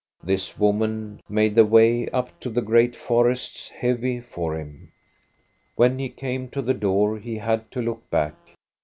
This woman made the way up to the great forests heavy for him. When he came to the door, he had to look back.